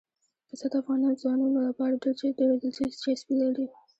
پسه د افغان ځوانانو لپاره ډېره دلچسپي لري.